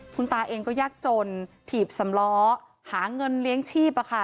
คุณตาเองก็ยากจนถีบสำล้อหาเงินเลี้ยงชีพ